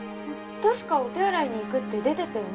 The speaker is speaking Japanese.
確かお手洗いに行くって出てったよね？